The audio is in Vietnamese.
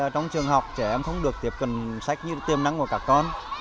trong trường học trẻ em không được tiếp cận sách như tiêm nắng của các con